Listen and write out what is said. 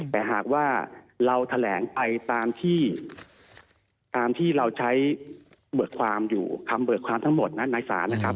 แต่หากว่าเราแถลงไปตามที่เราใช้คำเบิดความทั้งหมดนักนายศาสตร์นะครับ